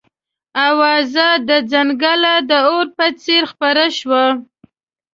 اوازه د ځنګله د اور په څېر خپره شوه.